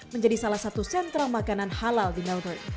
menjadi salah satu sentra makanan halal di melbourne